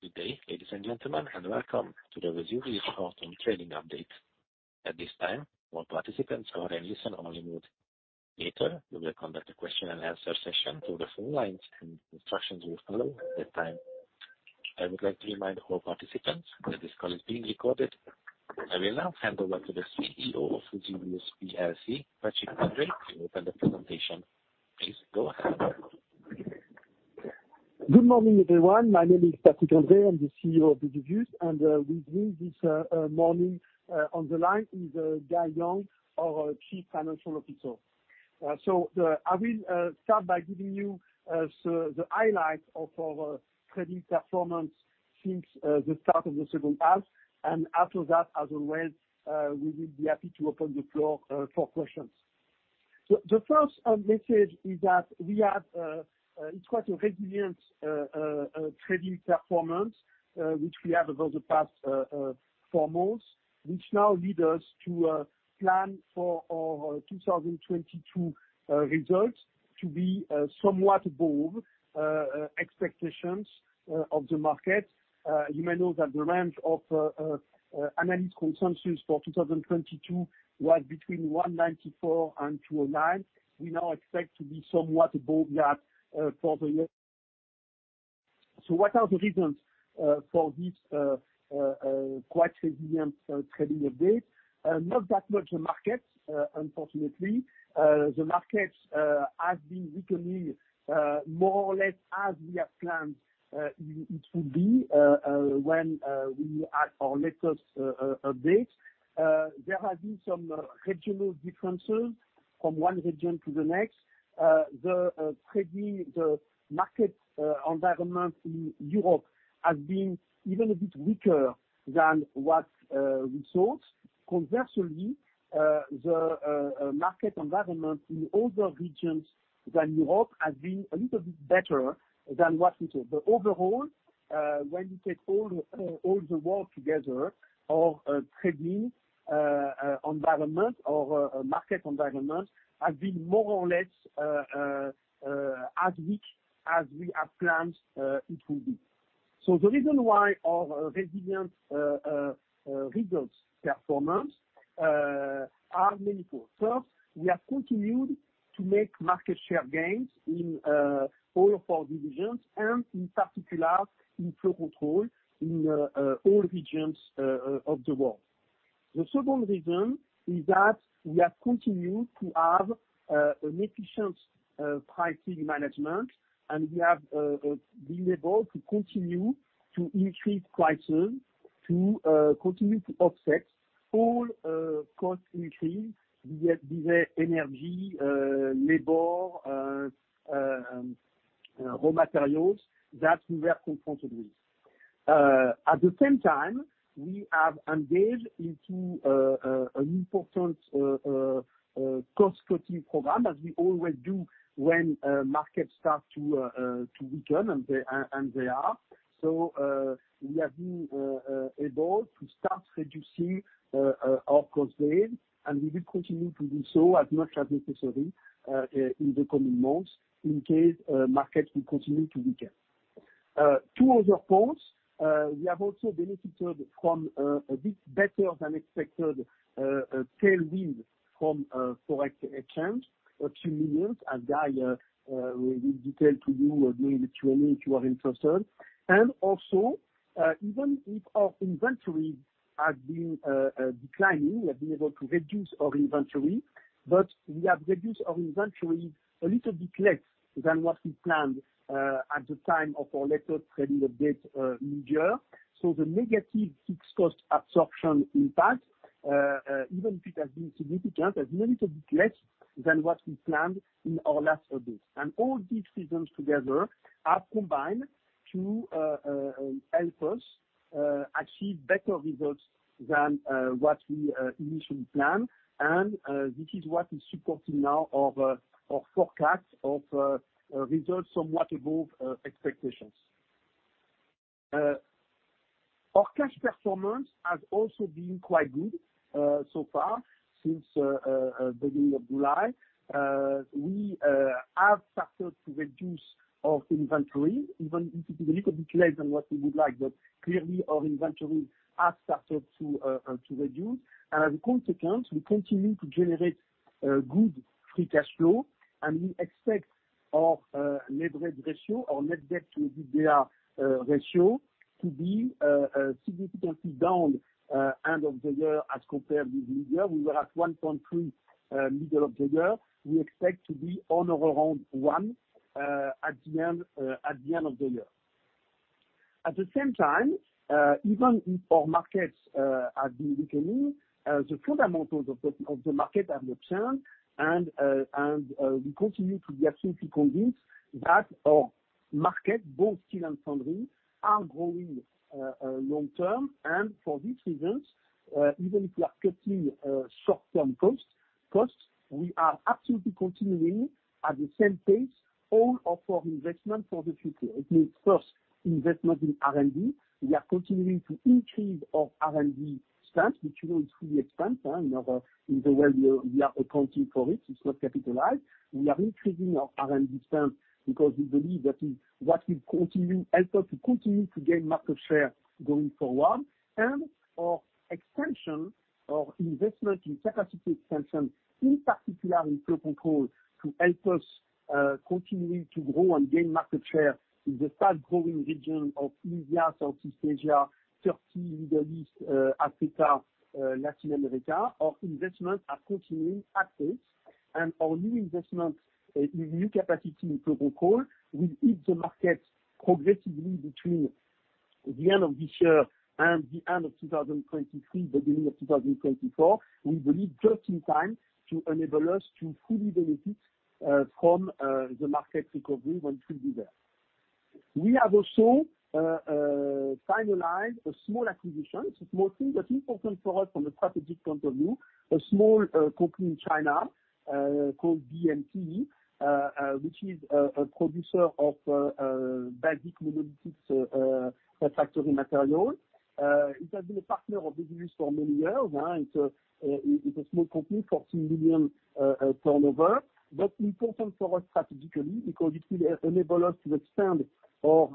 Good day, ladies and gentlemen, and welcome to the Vesuvius report and trading update. At this time, all participants are in listen-only mode. Later, we will conduct a question and answer session through the phone lines, and instructions will follow at that time. I would like to remind all participants that this call is being recorded. I will now hand over to the CEO of the Vesuvius plc, Patrick André, to open the presentation. Please go ahead. Good morning, everyone. My name is Patrick André. I'm the CEO of Vesuvius plc. With me this morning on the line is Guy Young, our Chief Financial Officer. I will start by giving you the highlights of our trading performance since the start of the second half. After that, as always, we will be happy to open the floor for questions. The first message is that it's quite a resilient trading performance which we have over the past four months, which now lead us to plan for our 2022 results to be somewhat above expectations of the market. You may know that the range of analyst consensus for 2022 was between 194 and 209. We now expect to be somewhat above that for the year. What are the reasons for this quite resilient trading update? Not that much in the markets, unfortunately. The markets have been weakening more or less as we had planned it would be when we had our latest update. There have been some regional differences from one region to the next. The trading market environment in Europe has been even a bit weaker than what we thought. Conversely, the market environment in other regions than Europe has been a little bit better than what we thought. Overall, when you take all the world together, our trading environment, our market environment has been more or less as weak as we had planned it will be. The reason why our resilient results performance are manyfold. First, we have continued to make market share gains in all of our divisions and, in particular, in Flow Control in all regions of the world. The second reason is that we have continued to have an efficient pricing management, and we have been able to continue to increase prices to continue to offset all cost increase, be it energy, labor, raw materials, that we are confronted with. At the same time, we have engaged into an important cost-cutting program, as we always do when markets start to weaken, and they are. We have been able to start reducing our costs there, and we will continue to do so as much as necessary in the coming months in case markets will continue to weaken. Two other points, we have also benefited from a bit better than expected tailwind from forex exchange of a 14 million, as Guy will detail to you or me to any if you are interested. Even if our inventory has been declining, we have been able to reduce our inventory, but we have reduced our inventory a little bit less than what we planned at the time of our latest trading update mid-year. The negative fixed cost absorption impact, even if it has been significant, is a little bit less than what we planned in our last update. All these reasons together have combined to help us achieve better results than what we initially planned. This is what is supporting now our forecast of results somewhat above expectations. Our cash performance has also been quite good so far since beginning of July. We have started to reduce our inventory, even if it is a little bit less than what we would like. Clearly, our inventory has started to reduce. As a consequence, we continue to generate good free cash flow, and we expect our net debt ratio or net debt to EBITDA ratio to be significantly down end of the year as compared with mid-year. We were at 1.3x middle of the year. We expect to be on or around 1x at the end of the year. At the same time, even if our markets have been weakening, the fundamentals of the market have been sound. We continue to be absolutely convinced that our market, both steel and foundry, are growing long-term. For these reasons, even if we are cutting short-term costs. First, we are absolutely continuing at the same pace all of our investment for the future. It means first investment in R&D. We are continuing to increase our R&D spend, which, you know, is fully expensed. In the way we are accounting for it's not capitalized. We are increasing our R&D spend because we believe that is what will help us to continue to gain market share going forward. Our expansion, our investment in capacity expansion, in particular in Flow Control to help us, continue to grow and gain market share in the fast-growing region of India, Southeast Asia, Turkey, Middle East, Africa, Latin America. Our investments are continuing at pace, and our new investment, in new capacity in Flow Control will hit the market progressively between the end of this year and the end of 2023, beginning of 2024. We believe just in time to enable us to fully benefit, from, the market recovery when it will be there. We have also, finalized a small acquisition, small thing but important for us from a strategic point of view. A small, company in China, called BMC, which is a producer of, basic monolithic, refractory material. It has been a partner of BMC for many years, and it's a small company, 14 million turnover, but important for us strategically because it will enable us to extend our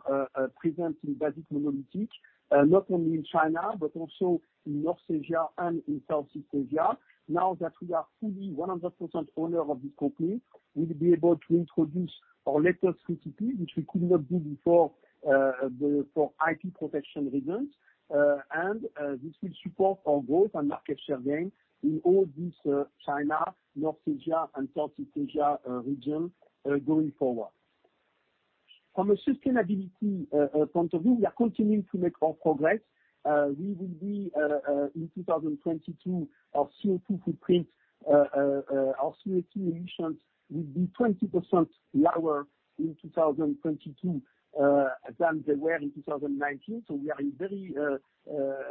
presence in basic monolithic, not only in China but also in North Asia and in Southeast Asia. Now that we are fully 100% owner of this company, we'll be able to introduce our latest critical, which we could not do before, for IP protection reasons. This will support our growth and market share gain in all these China, North Asia, and Southeast Asia region going forward. From a sustainability point of view, we are continuing to make our progress. We will be in 2022, our CO2 emissions will be 20% lower in 2022 than they were in 2019. We are very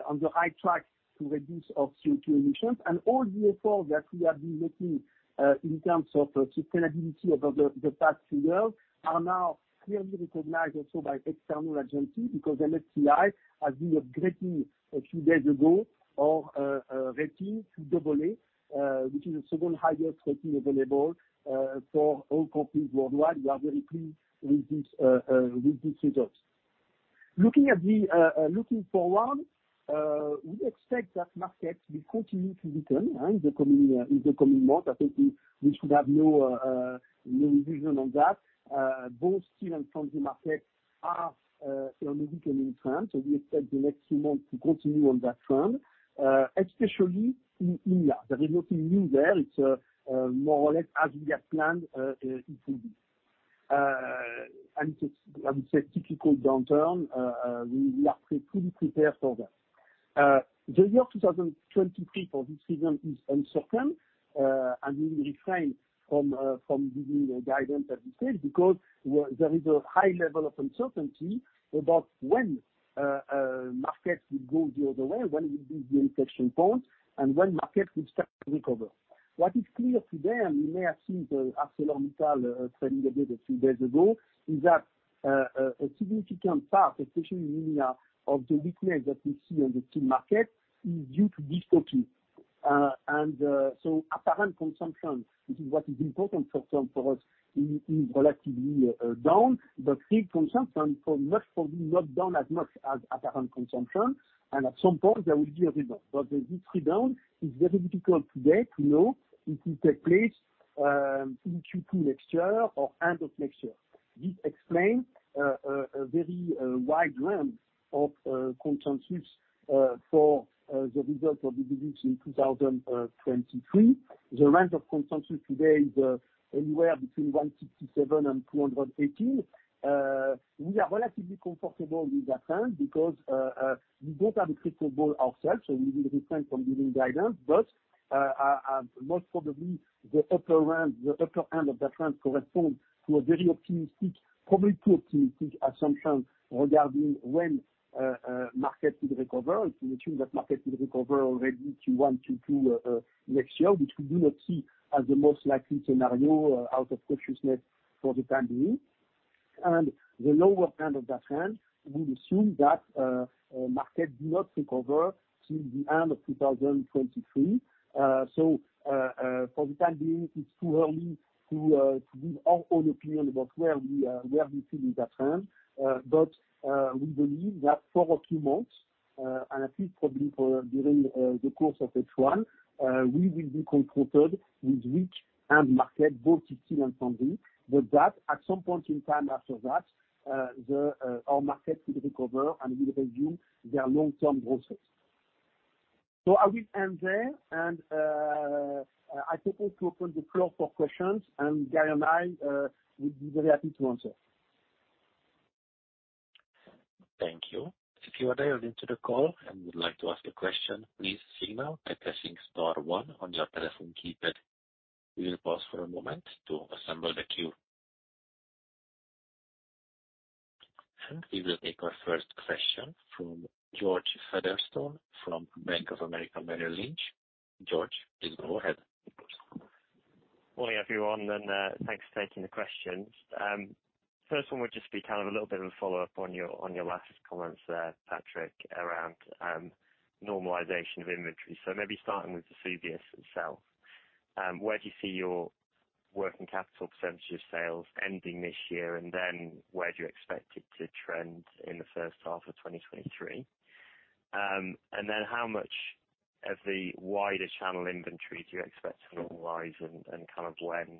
on the right track to reduce our CO2 emissions. All the effort that we have been making in terms of sustainability over the past few years are now clearly recognized also by external agencies, because MSCI has been upgrading a few days ago our rating to AA, which is the second highest rating available for all companies worldwide. We are very pleased with this result. Looking forward, we expect that markets will continue to weaken in the coming months. I think we should have no revision on that. Both steel and foundry markets are on a weakening trend, so we expect the next few months to continue on that trend, especially in India. There is nothing new there. It's more or less as we have planned, it will be. It's, I would say, typical downturn. We are fully prepared for that. The year 2023 for this reason is uncertain, and we will refrain from giving guidance as we said, because there is a high level of uncertainty about when markets will go the other way, when will be the inflection point, and when markets will start to recover. What is clear to them, you may have seen the ArcelorMittal trading a bit a few days ago, is that a significant part, especially in India, of the weakness that we see on the steel market is due to de-stocking. Apparent consumption, which is what is important for term for us, is relatively down. Real consumption for most probably not down as much as apparent consumption. At some point, there will be a rebound. This rebound is very difficult today to know if it take place in Q2 next year or end of next year. This explains a very wide range of consensus for the results of the business in 2023. The range of consensus today is anywhere between 167 million-218 million. We are relatively comfortable with that trend because we don't have a crystal ball ourselves, so we will refrain from giving guidance. Most probably the upper end of that trend corresponds to a very optimistic, probably too optimistic assumption regarding when markets will recover. It will ensure that markets will recover already till 2022 next year, which we do not see as the most likely scenario out of cautiousness for the time being. The lower end of that trend will assume that markets do not recover till the end of 2023. For the time being, it's too early to give our own opinion about where we fit in that trend. We believe that for a few months, and at least probably during the course of H1, we will be confronted with weak end markets, both in steel and foundry. That at some point in time after that, our markets will recover and will resume their long-term growth rates. I will end there, and I propose to open the floor for questions, and Guy and I will be very happy to answer. Thank you. If you are dialed into the call and would like to ask a question, please signal by pressing star one on your telephone keypad. We will pause for a moment to assemble the queue. We will take our first question from George Featherstone from Bank of America Merrill Lynch. George, please go ahead. Morning, everyone, and thanks for taking the questions. First one would just be kind of a little bit of a follow-up on your last comments there, Patrick, around normalization of inventory. Maybe starting with the Vesuvius itself, where do you see your working capital percentage of sales ending this year? And then where do you expect it to trend in the first half of 2023? And then how much of the wider channel inventory do you expect to normalize and kind of when,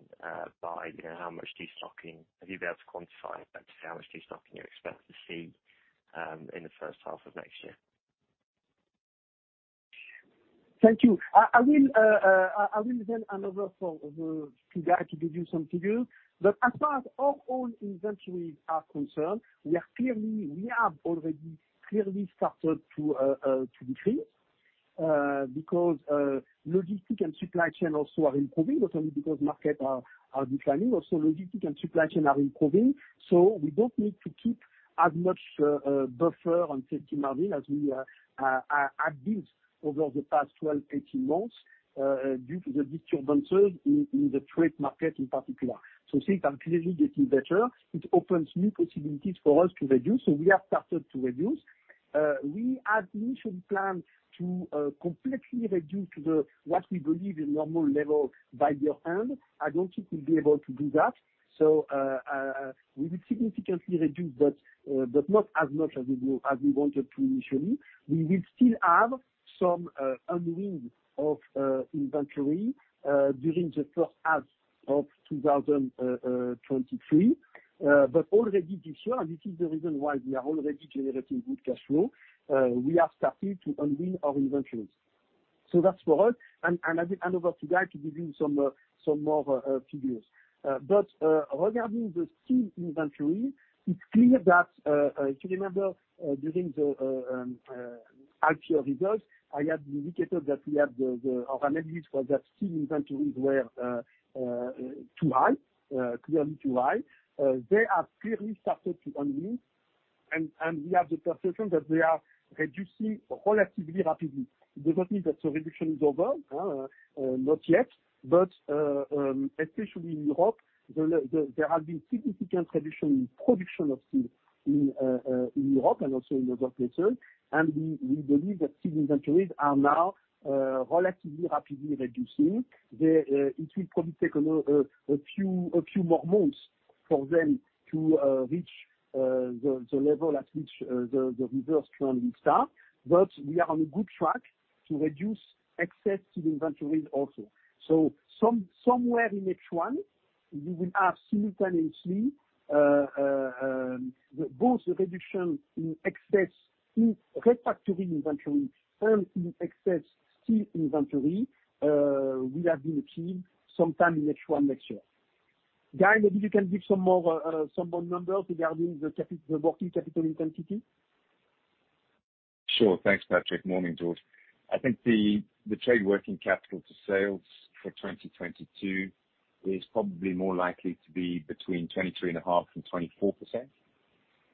by you know, how much destocking have you been able to quantify against how much destocking you expect to see in the first half of next year? Thank you. I will then hand over to Guy to give you some figures, but as far as our own inventories are concerned, we have already clearly started to decrease not only because markets are declining, also logistics and supply chain are improving. We don't need to keep as much buffer and safety margin as we had built over the past 12 months, 18 months due to the disturbances in the trade market in particular. Things are clearly getting better. It opens new possibilities for us to reduce, so we have started to reduce. We had initially planned to completely reduce what we believe a normal level by year-end. I don't think we'll be able to do that. We will significantly reduce, but not as much as we wanted to initially. We will still have some unwinding of inventory during the first half of 2023. Already this year, and this is the reason why we are already generating good cash flow, we have started to unwind our inventories. That's for us, and I think hand over to Guy to give you some more figures. Regarding the team inventory, it's clear that if you remember, during the actual results, I had indicated that we had the availability for that team inventories were too high, clearly too high. They have clearly started to unwind, and we have the perception that they are reducing relatively rapidly. It does not mean that the reduction is over, not yet, but especially in Europe, there have been significant reduction in production of steel in Europe and also in other places. We believe that steel inventories are now relatively rapidly reducing. It will probably take another a few more months for them to reach the level at which the reverse trend will start, but we are on a good track to reduce excess steel inventories also. Somewhere in H1, we will have simultaneously both the reduction in excess manufacturing inventory and in excess steel inventory will have been achieved sometime in H1 next year. Guy, maybe you can give some more numbers regarding the working capital intensity. Sure. Thanks, Patrick. Morning, George. I think the trade working capital to sales for 2022 is probably more likely to be between 23.5% and 24%.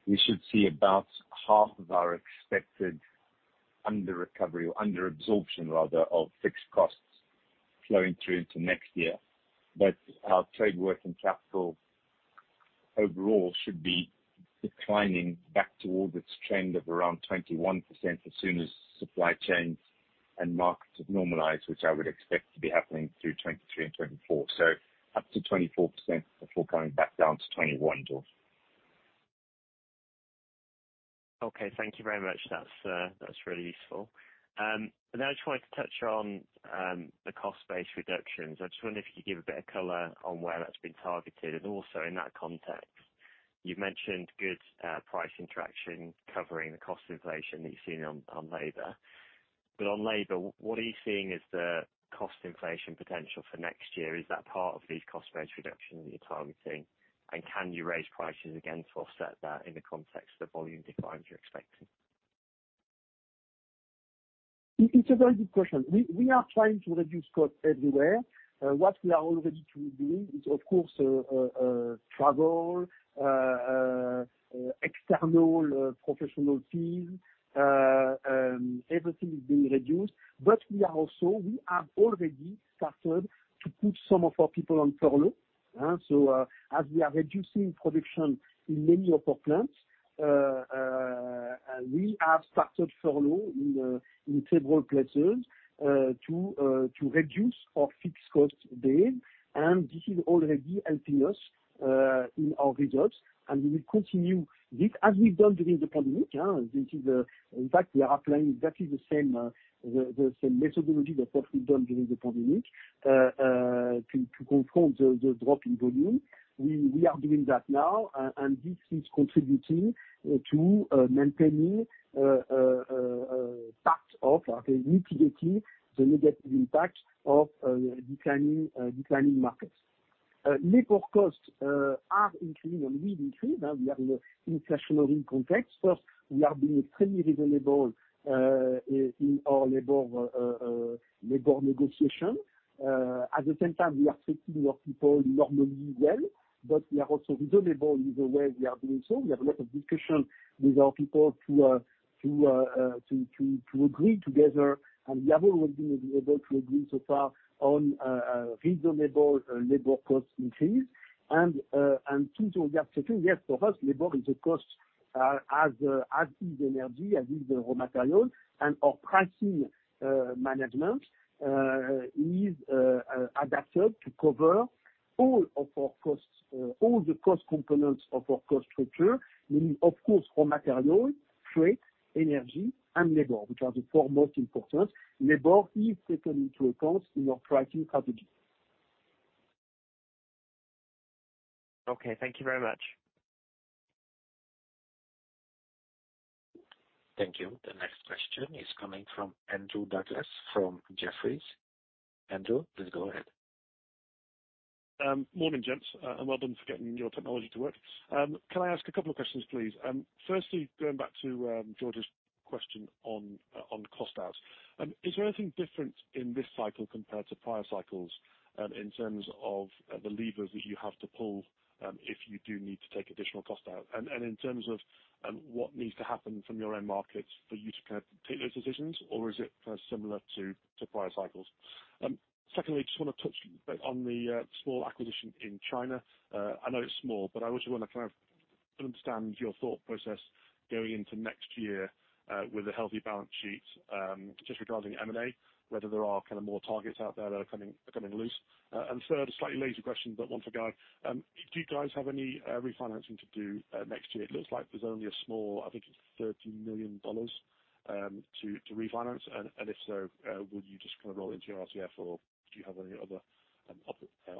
We should see about half of our expected underrecovery or underabsorption rather of fixed costs flowing through into next year. But our trade working capital overall should be declining back towards its trend of around 21% as soon as supply chains and markets normalize, which I would expect to be happening through 2023 and 2024. Up to 24% before coming back down to 21%, George. Okay. Thank you very much. That's really useful. I just wanted to touch on the cost-based reductions. I just wonder if you could give a bit of color on where that's been targeted. Also in that context, you've mentioned good pricing traction covering the cost inflation that you're seeing on labor. On labor, what are you seeing as the cost inflation potential for next year? Is that part of these cost-based reductions that you're targeting? Can you raise prices again to offset that in the context of the volume declines you're expecting? It's a very good question. We are trying to reduce costs everywhere. What we are already doing is, of course, travel, external professional fees. Everything is being reduced, but we have already started to put some of our people on furlough. As we are reducing production in many of our plants, we have started furlough in several places to reduce our fixed cost base. This is already helping us in our results. We will continue this as we've done during the pandemic. This is, in fact, we are applying exactly the same methodology that we've done during the pandemic to confront the drop in volume. We are doing that now. This is contributing to maintaining part of or mitigating the negative impact of declining markets. Labor costs are increasing and will increase. Now we are in an inflationary context. First, we are being extremely reasonable in our labor negotiation. At the same time, we are treating our people normally well, but we are also reasonable in the way we are doing so. We have a lot of discussion with our people to agree together. We have always been able to agree so far on reasonable labor cost increase and since we are taking. Yes, for us, labor is a cost, as is energy, as is raw material. Our pricing management is adapted to cover all of our costs, all the cost components of our cost structure, meaning of course raw materials, freight, energy and labor, which are the four most important. Labor is taken into account in our pricing strategy. Okay, thank you very much. Thank you. The next question is coming from Andrew Douglas from Jefferies. Andrew, please go ahead. Morning gents, and well done for getting your technology to work. Can I ask a couple of questions, please? Firstly, going back to George's question on cost outs. Is there anything different in this cycle compared to prior cycles, in terms of the levers that you have to pull, if you do need to take additional cost out? And in terms of what needs to happen from your end markets for you to kind of take those decisions, or is it similar to prior cycles? Secondly, just wanna touch a bit on the small acquisition in China. I know it's small, but I also wanna kind of understand your thought process going into next year, with a healthy balance sheet, just regarding M&A. Whether there are kinda more targets out there that are coming loose. Third, a slightly later question, but one for Guy. Do you guys have any refinancing to do next year? It looks like there's only a small, I think it's $13 million, to refinance. And if so, would you just kind of roll into your RCF or do you have any other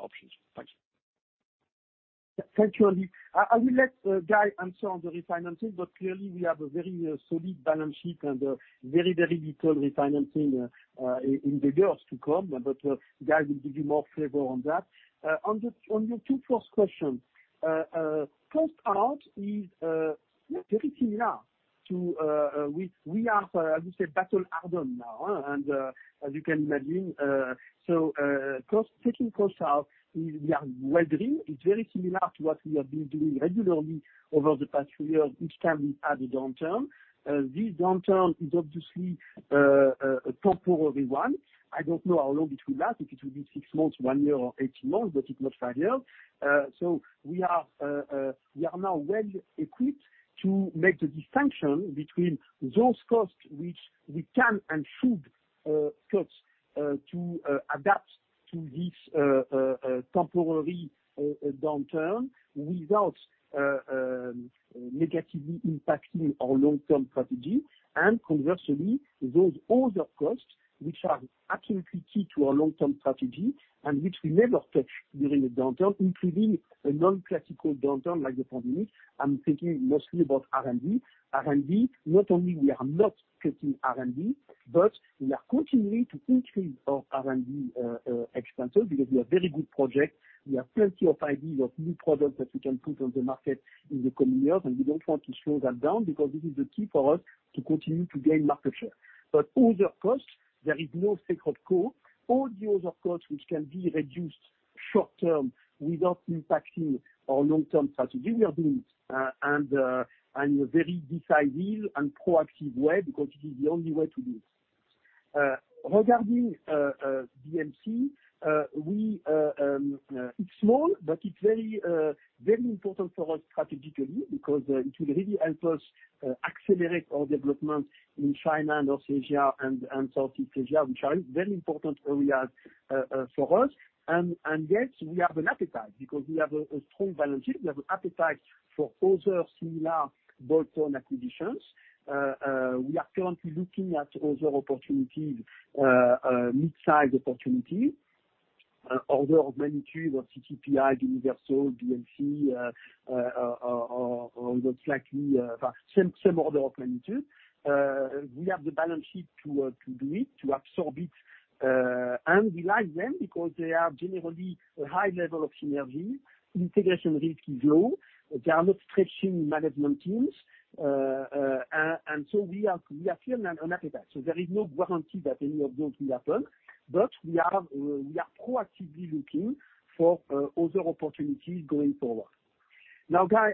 options? Thank you. Thank you, Andy. I will let Guy answer on the refinancing, but clearly we have a very solid balance sheet and a very little refinancing in the years to come. Guy will give you more flavor on that. On the first two questions, the first one is very similar. We are, as you said, battle hardened now and, as you can imagine, so taking costs out, we are weathering. It's very similar to what we have been doing regularly over the past few years each time we had a downturn. This downturn is obviously a temporary one. I don't know how long it will last, if it will be six months, one year or 18 months, but it's not five years. We are now well equipped to make the distinction between those costs which we can and should cut to adapt to this temporary downturn without negatively impacting our long-term strategy. Conversely, those other costs which are absolutely key to our long-term strategy and which we never touch during a downturn, including a non-classical downturn like the pandemic. I'm thinking mostly about R&D. R&D, not only we are not cutting R&D, but we are continuing to increase our R&D expenses because we have very good projects. We have plenty of ideas of new products that we can put on the market in the coming years, and we don't want to slow that down because this is the key for us to continue to gain market share. Other costs, there is no sacred cow. All the other costs which can be reduced short-term without impacting our long-term strategy, we are doing, and in a very decisive and proactive way because it is the only way to do. Regarding BMC, it's small, but it's very important for us strategically because it will really help us accelerate our development in China and Northeast Asia and Southeast Asia, which are very important areas for us. Yet we have an appetite because we have a strong balance sheet. We have an appetite for other similar bolt-on acquisitions. We are currently looking at other opportunities, mid-size opportunities, order of magnitude of CCPI, Universal, BMC, although slightly same order of magnitude. We have the balance sheet to do it, to absorb it, and we like them because they are generally a high level of synergy. Integration risk is low. They are not stretching management teams. We still have an appetite. There is no guarantee that any of those will happen. We are proactively looking for other opportunities going forward. Now, Guy,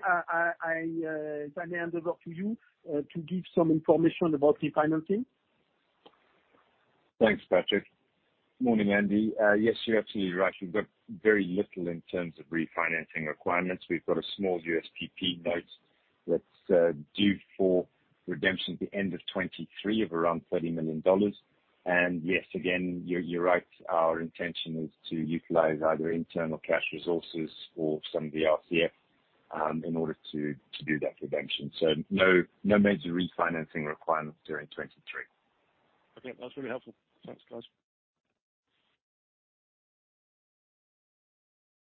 if I hand over to you to give some information about refinancing. Thanks, Patrick. Morning, Andy. Yes, you're absolutely right. We've got very little in terms of refinancing requirements. We've got a small USPP note that's due for redemption at the end of 2023 of around $30 million. Yes, again, you're right, our intention is to utilize either internal cash resources or some of the RCF in order to do that redemption. No major refinancing requirements during 2023. Okay. That's really helpful. Thanks, guys.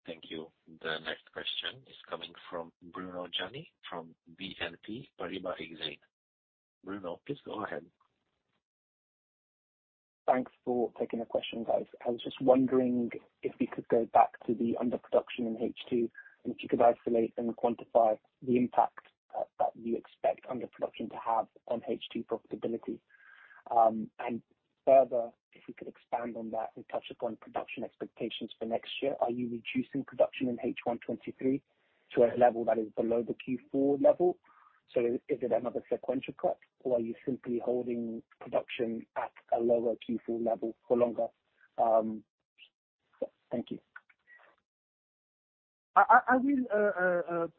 Thank you. The next question is coming from Bruno Gjani from BNP Paribas Exane. Bruno, please go ahead. Thanks for taking the question, guys. I was just wondering if we could go back to the underproduction in H2, and if you could isolate and quantify the impact that you expect underproduction to have on H2 profitability. And further, if you could expand on that and touch upon production expectations for next year. Are you reducing production in H1 2023 to a level that is below the Q4 level? So is it another sequential cut, or are you simply holding production at a lower Q4 level for longer? Thank you. I will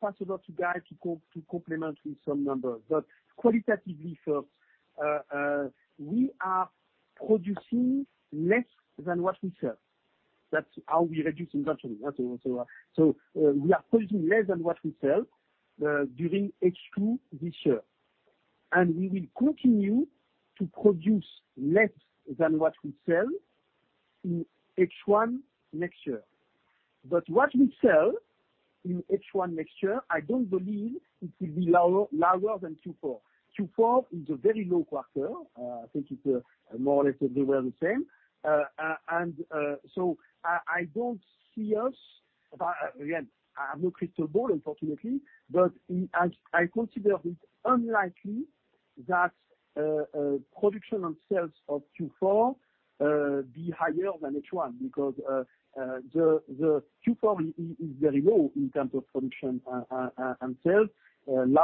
pass it over to Guy to complement with some numbers. Qualitatively first, we are producing less than what we sell. That's how we reduce inventory. That's also why. We are producing less than what we sell during H2 this year. We will continue to produce less than what we sell in H1 next year. What we sell in H1 next year, I don't believe it will be lower than Q4. Q4 is a very low quarter. I think it's more or less everywhere the same. I don't see us. Again, I have no crystal ball, unfortunately. I consider it unlikely that production and sales of Q4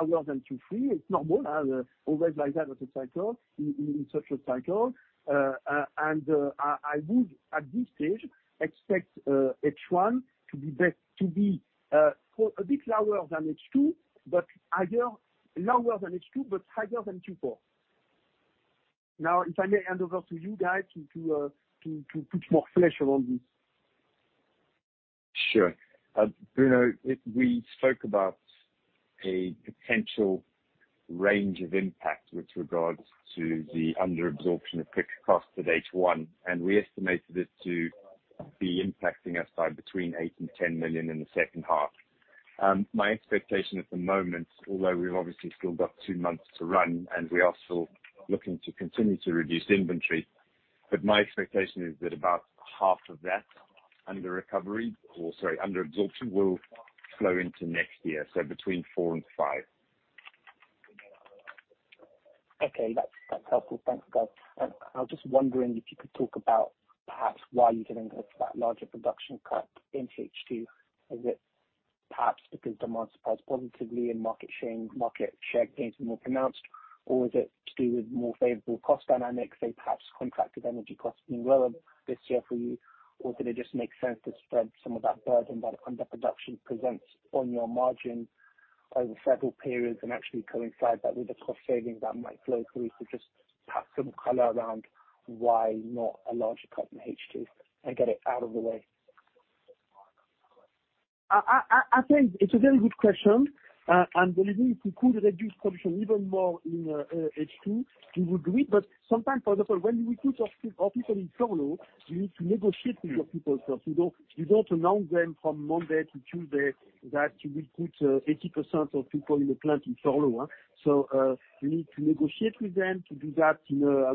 lower than Q3. It's normal. Always like that with the cycle, in such a cycle. I would, at this stage, expect H1 to be a bit lower than H2, but higher than Q4. Now, if I may hand over to you, Guy, to put more flesh on this. Sure. Bruno, we spoke about a potential range of impact with regards to the under absorption of fixed cost at H1, and we estimated it to be impacting us by between 8 million and 10 million in the second half. My expectation at the moment, although we've obviously still got two months to run, and we are still looking to continue to reduce inventory, but my expectation is that about half of that under recovery or, sorry, under absorption will flow into next year, so between 4 million and 5 million. Okay. That's helpful. Thanks, Guy. I was just wondering if you could talk about perhaps why you're giving us that larger production cut in H2. Is it perhaps because demand surprised positively and market share gains were more pronounced, or is it to do with more favorable cost dynamics, say perhaps contracted energy costs being lower this year for you? Or did it just make sense to spread some of that burden that underproduction presents on your margin over several periods and actually coincide that with the cost saving that might flow through to just perhaps some color around why not a larger cut in H2 and get it out of the way? I think it's a very good question. Believe me, if we could reduce production even more in H2, we would do it. Sometimes, for example, when we put our people in furlough, we need to negotiate with our people first. We don't announce them from Monday to Tuesday that we put 80% of people in the plant in furlough. We need to negotiate with them to do that in a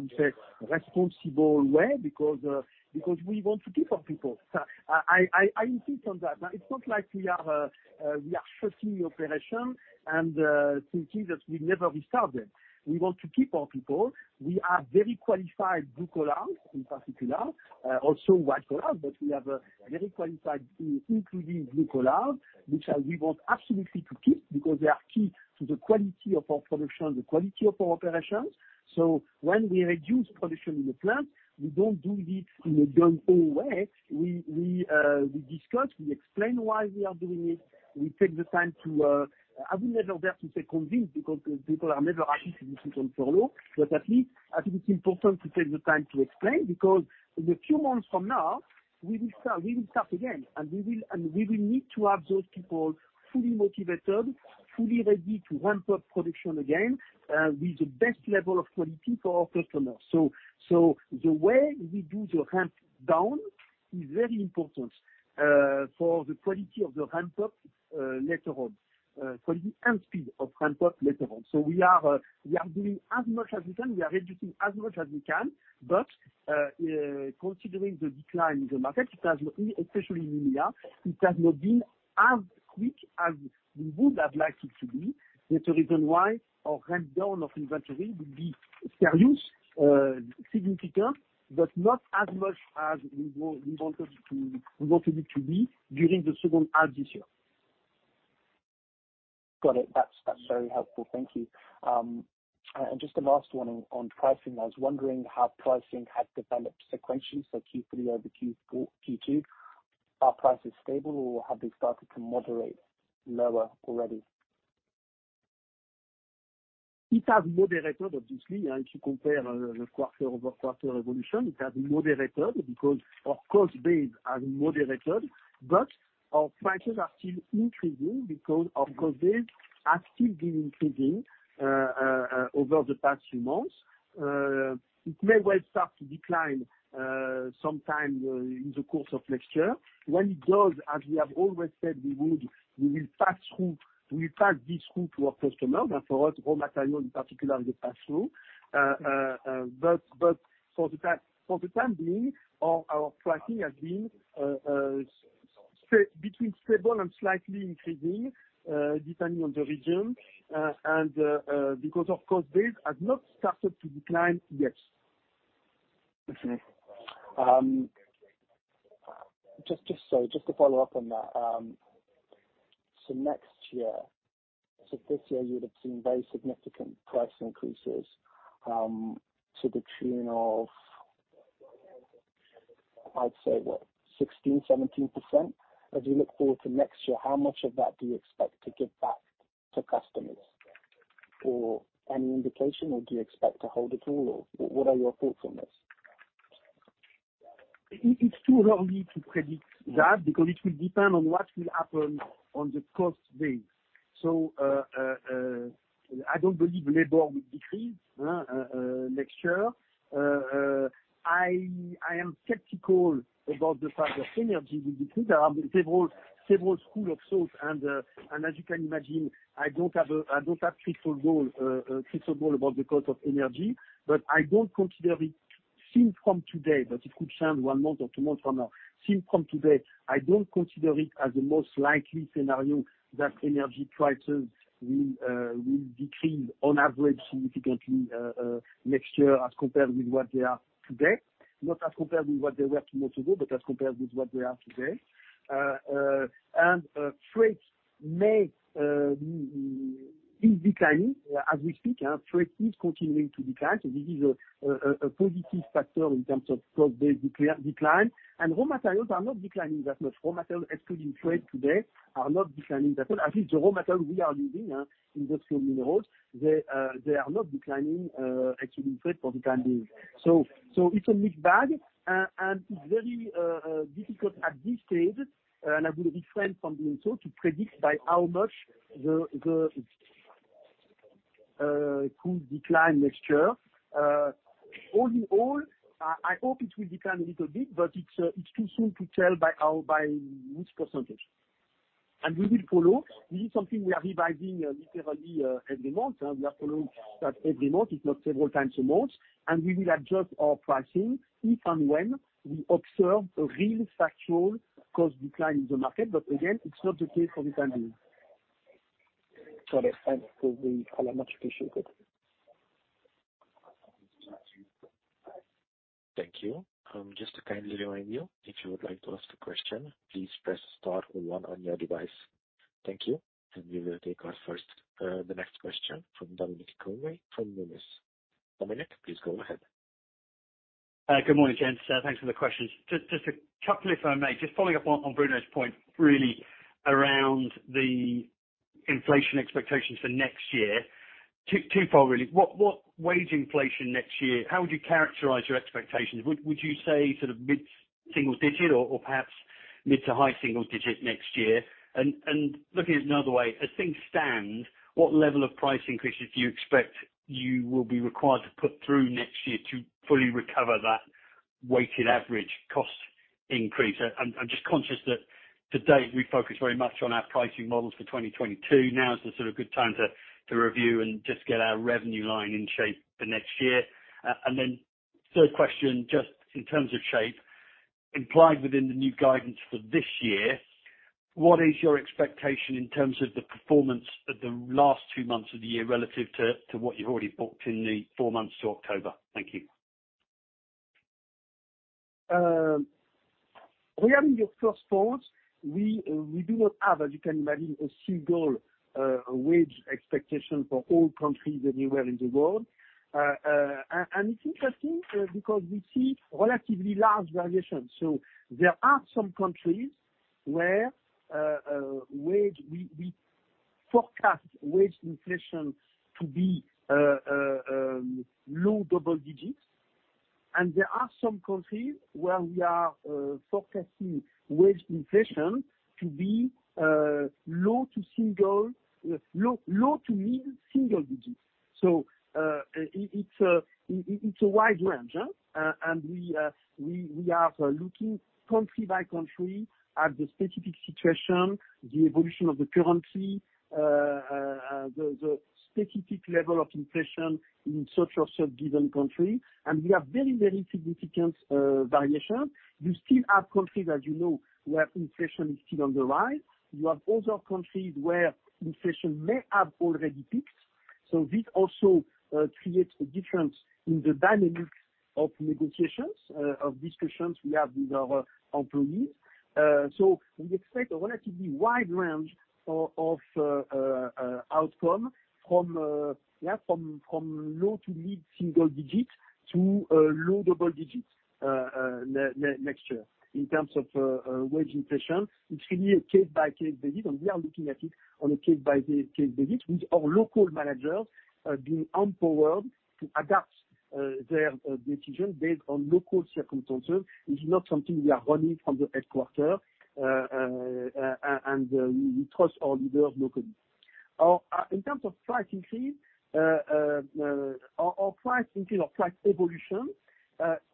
responsible way, because we want to keep our people. I insist on that. Now, it's not like we are shutting the operation and thinking that we'll never restart it. We want to keep our people. We are very qualified blue collars in particular, also white collars, but we have a very qualified team, including blue collar, which, we want absolutely to keep because they are key to the quality of our production, the quality of our operations. When we reduce production in the plant, we don't do this in a gung ho way. We discuss, we explain why we are doing it. We take the time to I would never dare to say convince, because people are never happy to listen on furlough, but at least I think it's important to take the time to explain because in the few months from now we will start again, and we will need to have those people fully motivated, fully ready to ramp up production again, with the best level of quality for our customers. The way we do the ramp down is very important for the quality of the ramp up later on and speed of ramp up later on. We are doing as much as we can. We are reducing as much as we can. Considering the decline in the market, it has not been, especially in India, it has not been as quick as we would have liked it to be. That's the reason why our ramp down of inventory will be serious, significant, but not as much as we wanted it to, we want it to be during the second half this year. Got it. That's very helpful. Thank you. Just a last one on pricing. I was wondering how pricing has developed sequentially. Q3 over Q2. Are prices stable or have they started to moderate lower already? It has moderated obviously, and if you compare the quarter-over-quarter evolution, it has moderated because our cost base has moderated. Our prices are still increasing because our cost base has still been increasing over the past few months. It may well start to decline sometime in the course of next year. When it does, as we have always said we would, we will pass this through to our customers. For us, raw material in particular will pass through. For the time being, our pricing has been between stable and slightly increasing, depending on the region because of course this has not started to decline yet. Okay. Just to follow up on that. This year you would have seen very significant price increases to the tune of, I'd say, what, 16%-17%. As you look forward to next year, how much of that do you expect to give back to customers, or any indication, or do you expect to hold it all, or what are your thoughts on this? It's too early to predict that because it will depend on what will happen on the cost base. I don't believe labor will decrease next year. I am skeptical about the fact that energy will decrease. There are several schools of thought and as you can imagine, I don't have a crystal ball about the cost of energy. I don't consider it seen from today, but it could change one month or two months from now. Seen from today, I don't consider it as the most likely scenario that energy prices will decrease on average significantly next year as compared with what they are today. Not as compared with what they were two months ago, but as compared with what they are today. Freight is declining as we speak. Our freight is continuing to decline, so this is a positive factor in terms of cost base decline. Raw materials are not declining that much. Raw materials excluding freight today are not declining that much. At least the raw material we are using, industrial minerals, they are not declining, actually, in fact, for the time being. It's a mixed bag. It's very difficult at this stage, and I will refrain from doing so, to predict by how much the costs could decline next year. All in all, I hope it will decline a little bit, but it's too soon to tell by which percentage. We will follow. This is something we are revising literally every month. We are following that every month, if not several times a month. We will adjust our pricing if and when we observe a real factual cost decline in the market. Again, it's not the case for the time being. Got it. Thanks for the clarification. Okay. Thank you. Just to kindly remind you, if you would like to ask a question, please press star or one on your device. Thank you. We will take the next question from Dominic Convey from Numis. Dominic, please go ahead. Good morning, gents. Thanks for the questions. Just a couple if I may. Just following up on Bruno's point really around the inflation expectations for next year. Two-fold really. What wage inflation next year, how would you characterize your expectations? Would you say sort of mid-single digit or perhaps mid to high single digit next year? Looking at it another way, as things stand, what level of price increases do you expect you will be required to put through next year to fully recover that weighted average cost increase? I'm just conscious that to date we focus very much on our pricing models for 2022. Now is the sort of good time to review and just get our revenue line in shape for next year. Third question, just in terms of shape, implied within the new guidance for this year, what is your expectation in terms of the performance of the last two months of the year relative to what you've already booked in the four months to October? Thank you. Regarding your first point, we do not have, as you can imagine, a single wage expectation for all countries anywhere in the world. It's interesting because we see relatively large variations. There are some countries where we forecast wage inflation to be low double digits. There are some countries where we are forecasting wage inflation to be low to mid single digits. It's a wide range. We are looking country by country at the specific situation, the evolution of the currency, the specific level of inflation in such and such given country. We have very significant variation. You still have countries, as you know, where inflation is still on the rise. You have other countries where inflation may have already peaked. This also creates a difference in the dynamics of negotiations of discussions we have with our employees. We expect a relatively wide range of outcome from low to mid single digits to low double digits next year in terms of wage inflation. It's really a case-by-case basis, and we are looking at it on a case-by-case basis with our local managers being empowered to adapt their decisions based on local circumstances. This is not something we are running from the headquarters and we trust our leaders locally. In terms of price increase, our price increase or price evolution.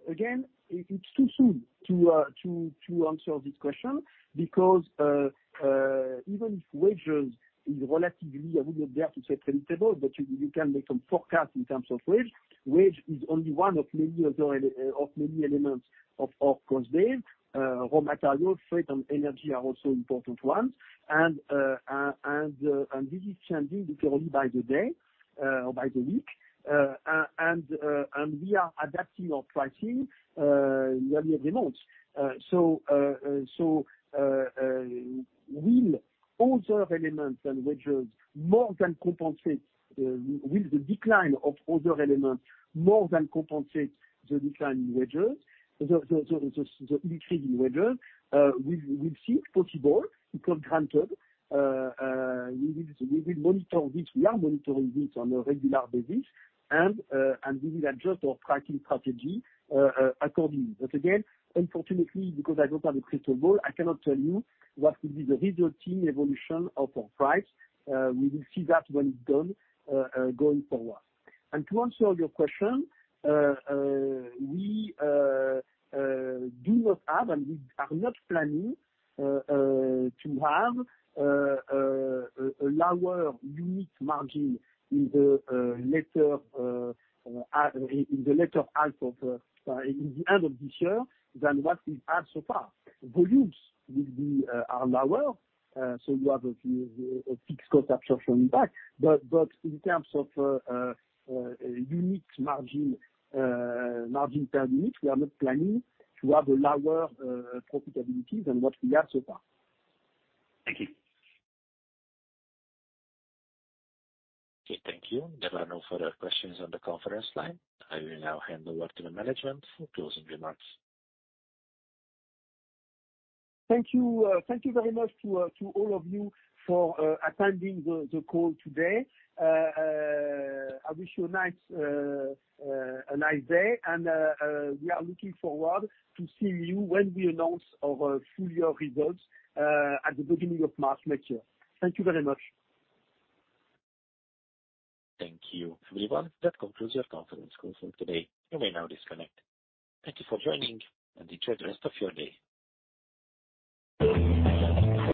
Again, it's too soon to answer this question because even if wages is relatively, I wouldn't dare to say predictable, but you can make some forecast in terms of wage. Wage is only one of many elements of cost base. Raw materials, freight, and energy are also important ones. This is changing literally by the day or by the week. We are adapting our pricing nearly every month. Will other elements than wages more than compensate? Will the decline of other elements more than compensate the decline in wages, the increase in wages? We think it's possible. It's not guaranteed. We will monitor this. We are monitoring this on a regular basis and we will adjust our pricing strategy accordingly. But again, unfortunately, because I don't have a crystal ball, I cannot tell you what will be the resulting evolution of our prices. We will see that when it's done going forward. To answer your question, we do not have, and we are not planning, to have a lower unit margin in the latter half of this year than what we have so far. Volumes are lower, so we have fixed cost absorption impact. In terms of unit margin per unit, we are not planning to have a lower profitability than what we have so far. Thank you. Okay, thank you. There are no further questions on the conference line. I will now hand over to the management for closing remarks. Thank you very much to all of you for attending the call today. I wish you a nice day and we are looking forward to seeing you when we announce our full year results at the beginning of March next year. Thank you very much. Thank you, everyone. That concludes your conference call for today. You may now disconnect. Thank you for joining, and enjoy the rest of your day.